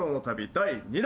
第２弾。